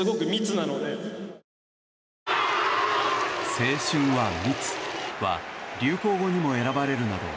この言葉は流行語にも選ばれるなど